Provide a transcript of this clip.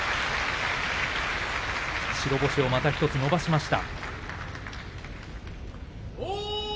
白星をまた１つ伸ばしました。